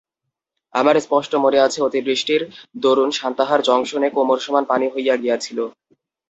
আমার স্পষ্ট মনে আছে, অতিবৃষ্টির দরুন সান্তাহার জংশনে কোমর-সমান পানি হইয়া গিয়াছিল।